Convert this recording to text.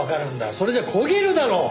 それじゃ焦げるだろ！